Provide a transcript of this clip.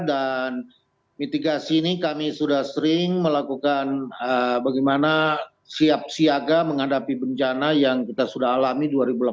dan mitigasi ini kami sudah sering melakukan bagaimana siap siaga menghadapi bencana yang kita sudah alami dua ribu delapan belas